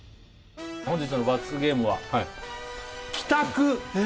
本日の罰ゲームは何それ？